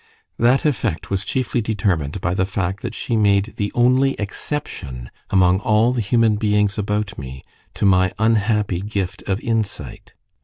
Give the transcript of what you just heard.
That effect was chiefly determined by the fact that she made the only exception, among all the human beings about me, to my unhappy gift of insight.